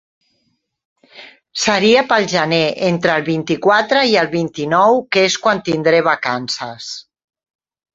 Seria pel gener, entre el vint-i-quatre i el vint-i-nou que és quan tindré vacances.